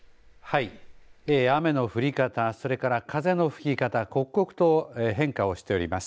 雨の降り方、それから風の吹き方刻々と変化をしております。